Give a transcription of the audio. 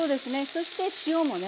そして塩もね